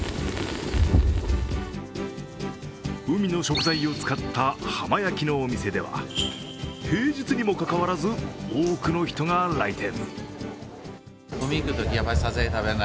海の食材を使った浜焼きのお店では平日にもかかわらず、多くの人が来店。